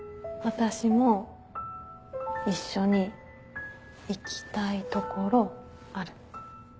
私も一緒に行きたい所ある。